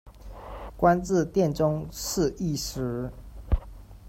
官至殿中侍御史。